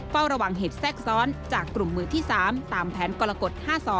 เฝ้าระวังเหตุแทรกซ้อนจากกลุ่มมือที่๓ตามแผนกรกฎ๕๒